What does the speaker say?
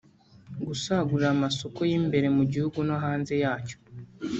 gusagurira amasoko y’imbere mu gihugu no hanze yacyo